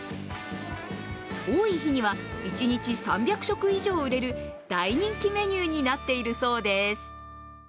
多い日には一日３００食以上売れる、大人気メニューになっているそうです。